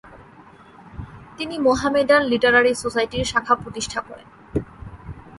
তিনি Mohammedan literary সোসাইটির শাখা প্রতিষ্ঠা করেন।